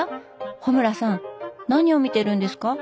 穂村さん何を見ているんですか？